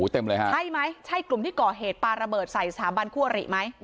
ใช่ไหมใช่กลุ่มที่ก่อเหตุปาระเบิดใส่สาบันคั่วริไหม